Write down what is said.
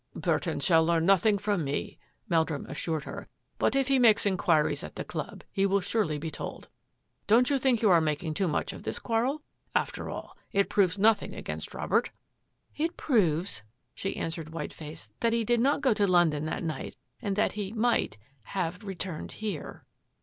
" Burton shall learn nothing from me," Mel drum assured her, " but if he makes inquiries at the club, he will surely be told. Don't you think you are making too much of this quarrel? After all, it proves nothing against Robert." " It proves," she answered, white faced, " that he did not go to London that night and that he — might — have — returned — here."